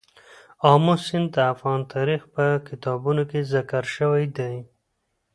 آمو سیند د افغان تاریخ په کتابونو کې ذکر شوی دی.